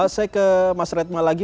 saya ke mas retma lagi